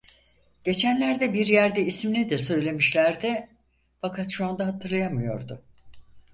Geçenlerde bir yerde ismini de söylemişlerdi, fakat şu anda hatırlayamıyordu.